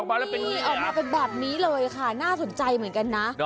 นี่ออกมาเป็นแบบนี้เลยค่ะน่าสนใจเหมือนกันนะ